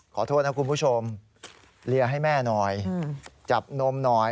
ขอโทษนะคุณผู้ชมเลียให้แม่หน่อยจับนมหน่อย